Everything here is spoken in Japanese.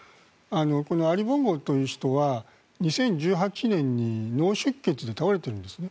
このアリ・ボンゴという人は２０１８年に脳出血で倒れているんですね。